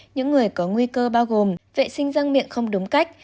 những người có nguy cơ bao gồm vệ sinh răng miệng không đúng cách